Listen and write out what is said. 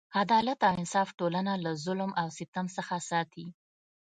عدالت او انصاف ټولنه له ظلم او ستم څخه ساتي.